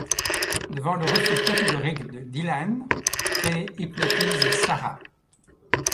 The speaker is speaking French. Devant le refus catégorique de Dylan, Trey hypnotise Sara.